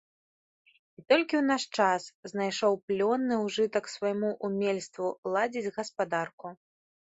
І толькі ў наш час знайшоў плённы ўжытак свайму ўмельству ладзіць гаспадарку.